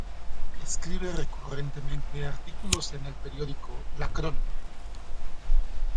Escribe recurrentemente artículos en el periódico La Crónica.